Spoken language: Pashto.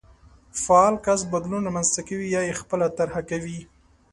فعال کس بدلون رامنځته کوي يا يې خپله طرحه کوي.